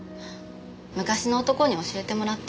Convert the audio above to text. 昔の男に教えてもらって。